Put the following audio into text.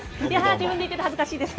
自分で言って恥ずかしいです。